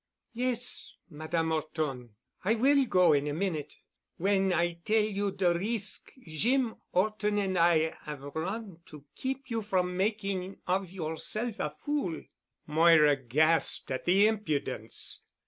"Yes, Madame 'Orton. I will go in a minute—when I tell you de risk Jeem 'Orton an' I 'ave run to keep you from making of yourself a fool." Moira gasped at the impudence.